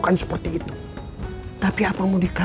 saya juga mengingatkan mereka